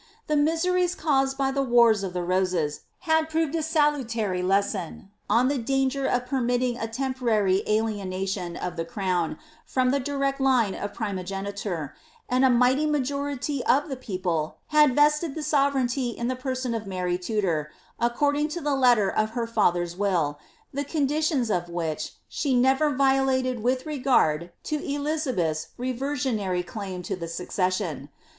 The miseries caused by the wars of the roses, hsd proved a salutary lesson, on the danger of permitting a temporary alienation of the crown from ^he direct line of primogeniture ; and a mighty majority of the people had vested the sovereignty in the person of Mary Tudor, according to the letter of her father's will, the condi tions of which, she never violated with regard to Elizabeth's rever nonary claim to the succession.